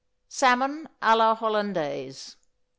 =Salmon à la Hollandaise.